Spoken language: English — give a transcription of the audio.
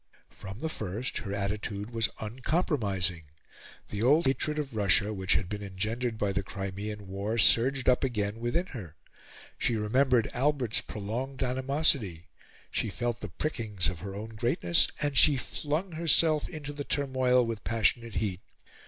From the first, her attitude was uncompromising. The old hatred of Russia, which had been engendered by the Crimean War, surged up again within her; she remembered Albert's prolonged animosity; she felt the prickings of her own greatness; and she flung herself into the turmoil with passionate heat.